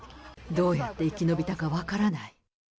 どうやって生き延びたか分からな